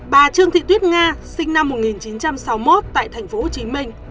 bà trương thị tuyết nga sinh năm một nghìn chín trăm sáu mươi một tại tp hcm